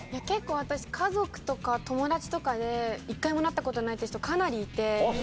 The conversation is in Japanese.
結構私家族とか友達とかで１回もなった事ないって人かなりいて。